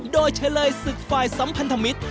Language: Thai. โดยเฉลยศึกฝ่ายสัมพันธมิตร